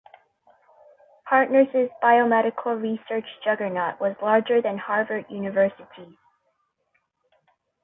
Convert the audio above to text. Partners's biomedical research juggernaut was larger than Harvard University's.